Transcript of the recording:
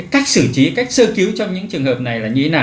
cách xử trí cách sơ cứu trong những trường hợp này là như thế nào